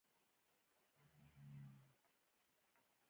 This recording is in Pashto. ګارلوک بیا برید وکړ.